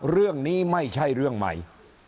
เรื่องนี้ไม่ใช่เรื่องใหม่